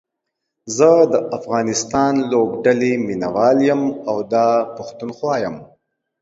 زه دا افغانستان لوبډلې ميناوال يم او دا پښتونخوا يم